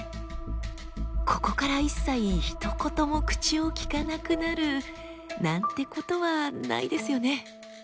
ここから一切ひと言も口をきかなくなるなんてことはないですよね？